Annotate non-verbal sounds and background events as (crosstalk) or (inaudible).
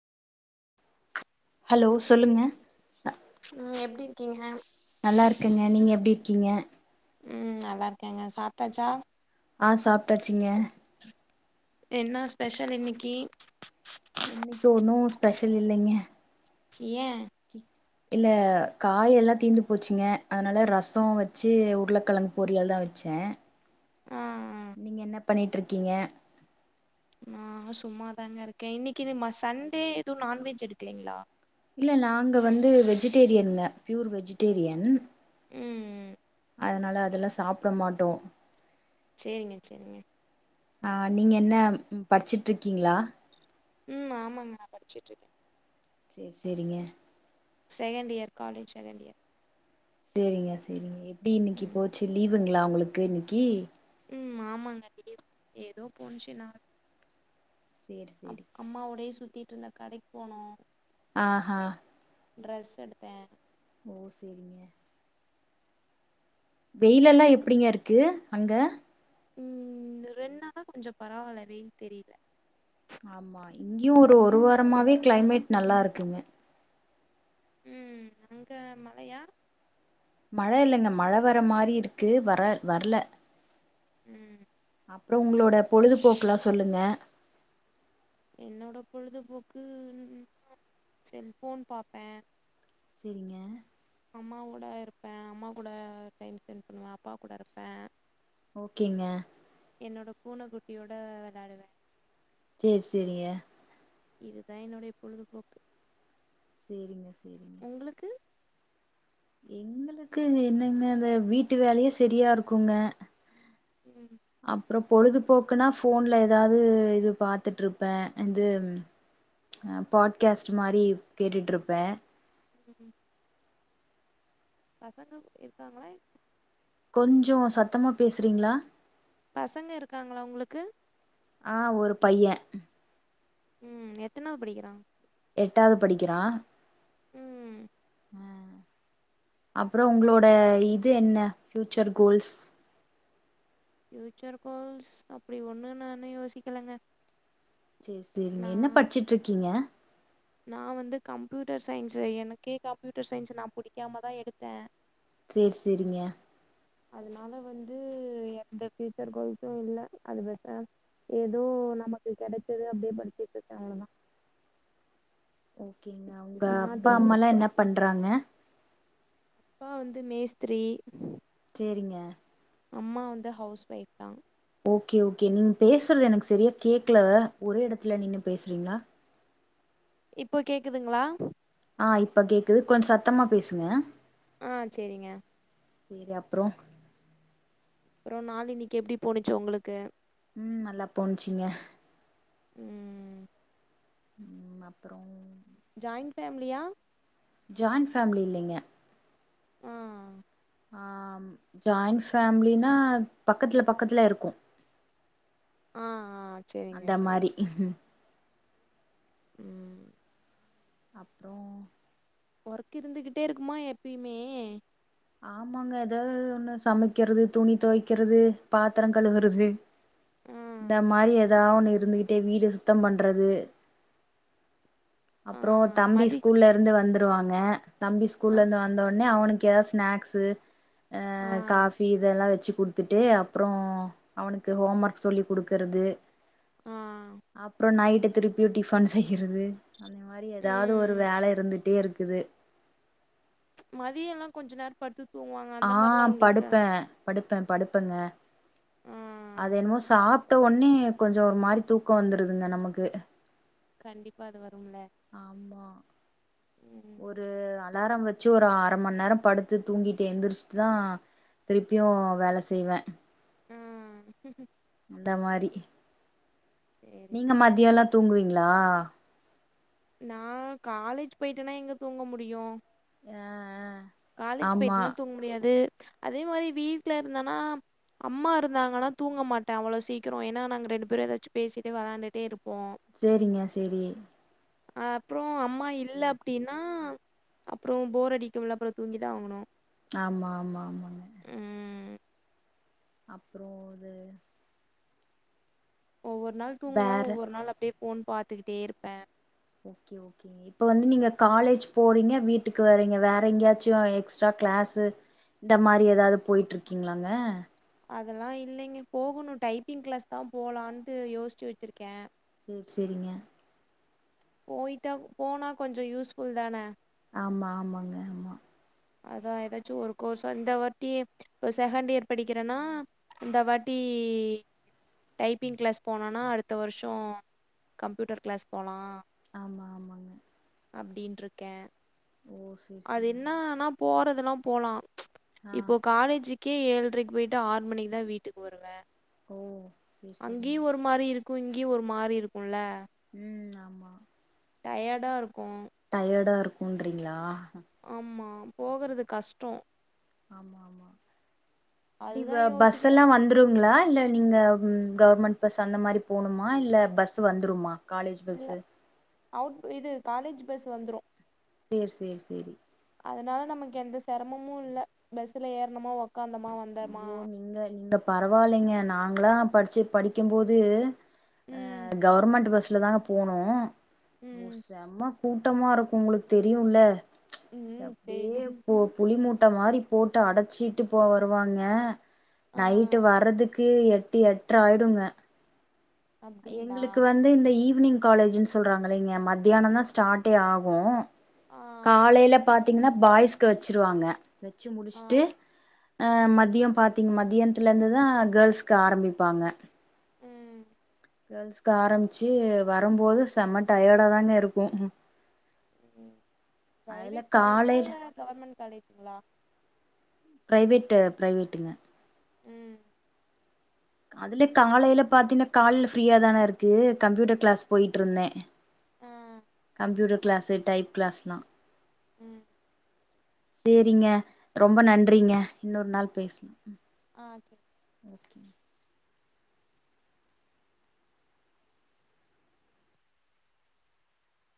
Hello சொல்லுங்க ம் எப்டி இருக்கீங்க நல்லா இருக்கேங்க நீங்க எப்டி இருக்கீங்க ம் நல்லா இருக்கேங்க சாப்ட்டாச்சா ஆ சாப்ட்டாச்சிங்க என்னா ஸ்பெஷல் இன்னிக்கி இன்னிக்கி ஒன்னூ ஸ்பெஷல் இல்லைங்க ஏ இல்ல காயெல்லா தீந்து போச்சுங்க அதனால ரசோ வச்சு உருளக்கெழங் பொரியல் தா வச்ச ஆ நீங்க என்ன பண்ணிட்ருக்கீங்க ந சும்மாதாங்க இருக்கே இன்னிக்கி ம சண்டே எதூ நான்வெஜ் எடுக்கலைங்ளா இல்ல நாங்க வந்து வெஜிடேரியன்ங்க ப்யூர் வெஜிடேரியன் ம் அதனால அதெல்லா சாப்ட மாட்டோ சேரிங்க சேரிங்க அ நீங்க என்ன படிச்சிட்டு்ர்க்கீங்களா ம் ஆமாங்க நா படிச்சிட் இருக்கே சேரி சேரிங்க second year college second year சேரிங்க சேரிங்க எப்டி இன்னைக்கு ம் போச்சு லீவுங்களா உங்களுக்கு இன்னிக்கி ம் ஆமாங்க ஏதோ போனுச்சு நா சேரி அம் சேரி அம்மா ஓடே சுத்திட்டு இருந்த கடைக் போனோ ஆஹ ட்ரெஸ் எடுத்த ஓ சேரிங்க வெயிலல்லா எப்டிங்க இருக்கு அங்க ம் இந்த ரெண்டுநாளா கொஞ்சோ பரவால்ல வெய்ல் தெரில ஆமா இங்கியு ஒரு ஒரு வாரமாவே கிளைமேட் நல்லா தெரில இருக்குங்க ம் அங்க மழயா மழ இல்லங்க மழ வர மாரி இருக்கு வர வர்ல ம் அப்றோ ஒங்ளோட பொழுதுபோக்லா சொல்லுங்க என்னோட பொழுதுபோக்கு (inaudible) செல்ஃபோன் பாப்ப சரிங்க அம்மா ஓட இருப்பே அம்மா கூட டைம் ஸ்பென்ட் பண்வ அப்பா கூட இருப்ப ஓகேங்க என்னோட பூன குட்டியோட வெளாடுவ சேர் சேரிங்க இதுதா என்னுடைய பொழுதுபோக்கு சேரிங்க சேரிங்க உங்களுக்கு எங்களுக்கு என்னங்க அந்த வீட்டு வேலயே சரியா இருக்குங்க ம் அப்றோ பொழுதுபோக்குன்னா ஃபோன்ல எதாவது இது பாத்துட்ருப்பே இது பாட்காஸ்ட்டு மாரி கேட்டுட்டு இருப்பே ம் பசங்க இருக்காங்களா கொஞ்சோ சத்தமா பேசுறீங்களா பசங்க இருக்காங்களா உங்களுக்கு ஆ ஒரு பையன் ம் எத்தனாவ படிக்கிறா எட்டாவது படிக்கிறா ம். அ அப்றோ சரி. உங்களோட இது என்ன ஃப்யூச்சர் கோல்ஸ் ஃப்யூச்சர் கோல்ஸ் அப்டி ஒண்ணு நா இன்னு யோசிக்கலங்க செரி செரிங்க என்ன படிச்சுட்டு இருக்கீங்க நா வந்து கம்ப்யூட்டர் சைன்ஸ் எனக்கே கம்ப்யூட்டர் சைன்ஸ் நா புடிக்காம தா எடுத்தே சேர் செரிங்க அதனால வந்து எந்த பியூச்சர் கோல்சும் இல்ல அது பேசேம் ஏதோ நமக்கு கெடச்சது அப்டியே படிச்சட்ருக்கே அவ்வளதா ஓகேங்க உங்க நான் அப்பா டுவெல்த் அம்மாலா என்ன பண்றாங்க அப்பா வந்து மேஸ்திரி சேரிங்க அம்மா வந்து ஹவுஸ் ஒய்ஃப் தா ஓகே ஓகே நீங்க பேசுறது எனக்கு செரியா கேக்கல ஒரே எடத்துல நின்னு பேசுறீங்களா இப்போ கேக்குதுங்களா ஆ இப்ப கேக்குது கொஞ்சோ சத்தமா பேசுங்க ஆ செரிங்க செரி அப்றோ அப்பறம் நாளை இன்னைக்கி எப்படி போணிச்சு உங்களுக்கு ம் நல்லா போணுச்சிங்க ம் ம் அப்றோ ஜாயிண்ட் ஃபேமிலியா ஜாயின் ஃபேமிலி இல்லங்க ஆ ஆ ஜாயிண்ட் ஃபேமிலினா பக்கத்துல பக்கத்துல இருக்கோ ஆ ஆ சரிங்க அந்த மாரி சரிங்க ம் அப்றோ ஒர்க் இருந்துகிட்டே இருக்குமா எப்பயுமே ஆமாங்க எதாது ஒண்ணு சமைக்கிறது துணி தொவைக்கிறது பாத்ரம் கழுவுறது ஆ இந்த மாரி ஏதா ஒன்னு இருந்துகிட்டே வீடு சுத்தம் பண்றது ஆ அப்றோ தம்பி மதி ஸ்கூல்ல இருந்து வந்துருவாங்க தம்பி ஆ ஸ்கூல்ல இருந்து வந்தவுனே அவனுக்கு எதா ஸ் ஸ்நாக்ஸு ஆ காஃபி இதெல்லா வெச்சு குடு த்துட்டு அப்றோ அவனுக்கு ஹோம் ஒர்க் சொல்லி குடுக்குறது ஆ அப்றோ நைட்டு திருப்பியு டிஃபன் செய்யறது அந்த மாரி எதாவது ஒரு ம் வேல இருந்துட்டே இருக்குது மதியம் எல்லாம் கொஞ்சம் நேரம் படுத்து தூங்குவாங்க அந்த மாரி எல்லாம் உங்களுக்கு படுப்பேன் படுப்பேங்க ஆ அது என்னமோ சாப்ட்ட ஒன்னே கொஞ்சோ ஒரு மாரி தூக்கோ வந்துருதுங்க நமக்கு கண்டிப்பா அது வரும்ல ஆமா ஒ ம் ரு அலாரம் வச்சு ஒரு அர மண் நேரம் படுத்து தூங்கிட்டு எந்திரிச்சிட்தா திருப்பியு வேல செய்வே அ அந்த மாரி சேரிங்க நீங்க சேரிங்க மதியல்லா தூங்குவீங்களா நா காலேஜ் போய்ட்டேனா எங்க தூங்க முடியு ஆ ஆ காலேஜ் ஆமா போய்ட்னா தூங் முடியாது அதே மாரி வீட்ல இருந்தனா அம்மா இருந்தாங்கன்னா தூங்க மாட்ட அவ்வளோ சீக்கிரோ ஏன்னா நாங்க ரெண்டு பேரு எதாச்சும பேசிட்டே வெளாண்டுட்டே இருப்போ சேரிங்க சேரி அ அப்றோ அம்மா இல்ல அப்டின்னா அப்றோ போர் அடிக்கும்ல அப்றோ தூங்கி தா ஆகணு ஆமா ஆமா ஆமாங்க ம் அப்றோ அது ஒவ்வொரு நாள் தூங்குவ வேற ஒவ்வொரு நாள் அப்டியே போன் பாத்துகிட்டே இருப்பே ஓகே ஓகே இப்ப வந்து நீங்க காலேஜ் போறீங்க வீட்டுக்கு வரீங்க வேற எங்கேயாச்சு எக்ஸ்ட்ரா கிளாஸ்சு இந்த மாரி எதாவது போயிட்ருக்கீங்களாங்க அதெல்லா இல்லிங்க போகணு டைப்பிங் கிளாஸ் தா போலான்ட்டு யோஸ்ச்சு வச்சுருக்கே சேர் செரிங்க போயிட்டா போனா கொஞ்ச யூஸ்ஃபுல் தானே ஆமா ஆமாங்க ஆமா அதா எதாச்சு ஒரு கோர்சா இந்த வாட்டி இப்ப செகண்ட் இயர் படிக்கிறேன்னா இந்த வாட்டி டைப்பிங் கிளாஸ் போனோனா அடுத்த வர்ஷோ கம்ப்யூட்டர் கிளாஸ் போலா ஆமாம் ஆமாங்க அப்டின்ருக்கே ஓ செ அது என்ன ஆனா போறதுல்லா போலா ஆ இப்போ காலேஜிக் கே ஏழ்ரைக் போயிட்டு ஆற் மணிக் தா வீட்டுக் வருவே ஓ சேரி சேரிங்க அங்கியு ஒரு மாரி இருக்கு இங்கியு ஒரு மாரி இருக்குல்ல ம் ஆமா டயடா இருக்கு டயடா இருக்குன்றிங்களா ஆமா போகறது கஷ்டோ ஆமா ஆமா ப்டி அ அதுதான் பஸ் யோசிக்கிறேன். எல்லா வந்துருங்லா இல்ல நீங்க ம் கவர்மெண்ட் பஸ் அந்த மாரி போணும்மா இல்ல பஸ்ஸூ வந்துரும்மா காலேஜ் இல்ல பஸ்ஸு அவுட் இது காலேஜ் பஸ் வந்துரு சேர் சேர் சேரி அதனால நமக்கு எந்த செரமமு இல்ல பஸ்ல ஏற்னமோ உக்காந்தமா ஐயோ நீங்க நீங்க பரவாயில்லைங்க நாங்களா படிச்சு படிக்கும்போது ஆ ம் கவர்மெண்ட் பஸ்ல தாங்க போன்னு ஓ ம் செம்ம கூட்டமா இருக்கு உங்களுக்கு தெரியுல்ல ம் சப்டியே தெரிது போ புலி மூட்ட மாரி போட்டு அடச்சிட்டு போ வருவாங்க ஆ நைட்டு வர்றதுக்கு எட்டு எட் திராயிடுங்க அப்டிங்களா எங்களுக்கு வந்து இந்த ஈவினிங் காலேஜ்ன்னு சொல்றாங்கலைங்க மத்தியானந்தா ஸ்டார்டே ஆகு ஆ காலேல பாத்தீங்ன்னா பாய்ஸ்க்கு வச்சுருவாங்க வச்சு ஆ முடுச்ட்டு அ மதியம் பாத்தீங்க மதியானத்துல இருந்து தா கேர்ள்ஸ்க்கு ஆரம்பிப்பாங்க ம் கேர்ள்ஸ்க்கு ஆரம்பிச்சு வரும்போது செம்ம டயடா தாங்க இருக்கு ம் அதல பிரைவேட் காலேஜா காலையில இல்ல கவர்மெண்ட் காலேஜுங்களா ப்ரைவேட்டு ப்ரைவேட்டுங்க ம் அதுலே காலையில பாத்தீங்ன்னா காலைல ஃப்ரீயா தானே இருக்கு கம்ப்யூட்டர் கிளாஸ் போயிட்டு இருந்தே ஆ கம்ப்யூட்டர் கிளாஸு டைப் கிளாஸ்லா ம் சேரிங்க ரொம்ப நன்றிங்க இன்னொரு நாள் பேசு ஆ செரி ஓகே